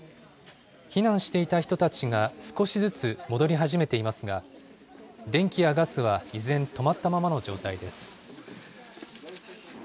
避難していた人たちが少しずつ戻り始めていますが、電気やガスは依然、止まったままの状態です。